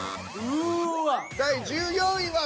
第１４位は。